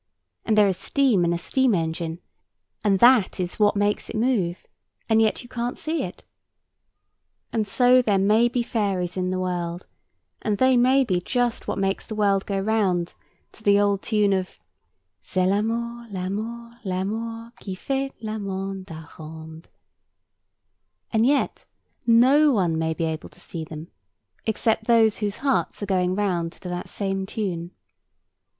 And there is steam in a steam engine; and that is what makes it move: and yet you can't see it; and so there may be fairies in the world, and they may be just what makes the world go round to the old tune of "C'est l'amour, l'amour, l'amour Qui fait la monde à la ronde:" [Picture: Fairy cherub with arrow] and yet no one may be able to see them except those whose hearts are going round to that same tune.